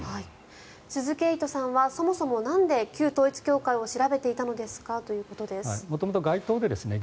鈴木エイトさんはそもそもなんで旧統一教会を調べていたのですかということです。